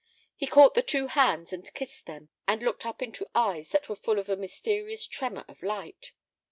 He caught the two hands and kissed them, and looked up into eyes that were full of a mysterious tremor of light.